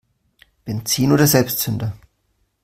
Benzin oder Selbstzünder?